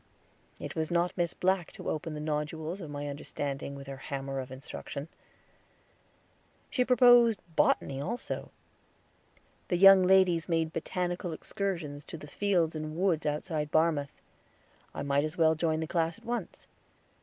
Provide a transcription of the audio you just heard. It was not for Miss Black to open the nodules of my understanding, with her hammer of instruction. She proposed Botany also. The young ladies made botanical excursions to the fields and woods outside Barmouth; I might as well join the class at once.